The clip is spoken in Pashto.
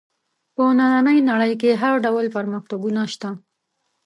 په نننۍ نړۍ کې هر ډول پرمختګونه شته.